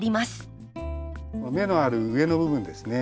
芽のある上の部分ですね